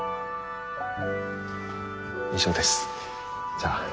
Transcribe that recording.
以上ですじゃあ。